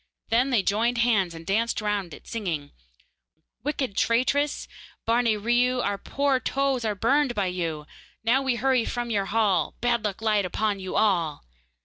Then they joined hands and danced round it, singing: Wicked traitress, Barne Riou, Our poor toes are burned by you; Now we hurry from your hall Bad luck light upon you all.